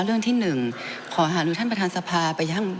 เรื่องที่๑ขอหารือท่านประธานสภาไปยัง